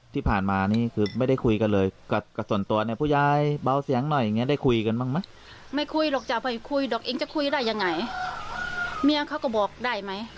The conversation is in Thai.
ตปี๑ตี๒ลูกสาวก็ต้องมาเปลือกตะโก้นด่าก